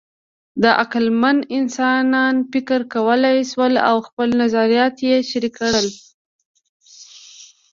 د عقلمن انسانان فکر کولی شول او خپل نظریات یې شریک کړل.